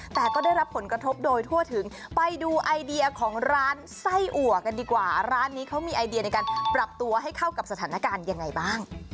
แต่ก็ได้รับผลกระทบโดยทั่วถึงไปดูไอเดียของร้านไส้อัวกันดีกว่าร้านนี้เขามีไอเดียในการปรับตัวให้เข้ากับสถานการณ์ยังไงบ้าง